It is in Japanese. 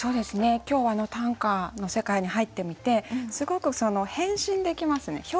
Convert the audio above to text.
今日短歌の世界に入ってみてすごく変身できますね